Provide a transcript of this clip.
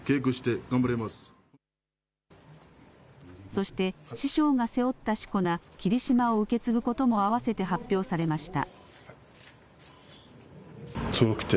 そして、師匠が背負ったしこ名、霧島を受け継ぐことも合わせて発表されました。